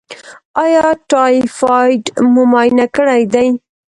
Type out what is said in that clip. ایا ټایفایډ مو معاینه کړی دی؟